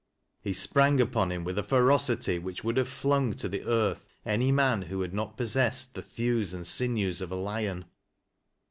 He sprang upon him with a ferocity which would have flung to the earth any man who had not possessed the thews and sinews of a lion.